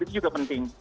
itu juga penting